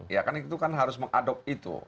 itu kan harus mengadopsi itu